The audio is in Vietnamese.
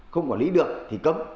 không quản lý được thì cấm